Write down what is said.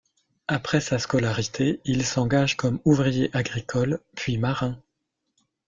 Après sa scolarité, il s'engage comme ouvrier agricole puis marin.